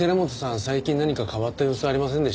最近何か変わった様子ありませんでした？